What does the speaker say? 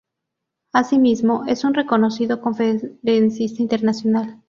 Asimismo, es un reconocido conferencista internacional.